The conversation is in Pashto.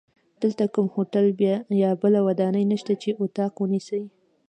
دلته کوم هوټل یا بله ودانۍ نشته چې دوی اتاق ونیسي.